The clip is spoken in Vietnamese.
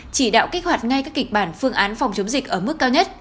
chỉ đạo kích hoạt ngay các kịch bản phương án phòng chống dịch ở mức cao nhất